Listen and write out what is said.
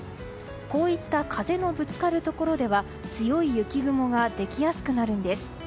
こういった風のぶつかるところでは強い雪雲ができやすくなるんです。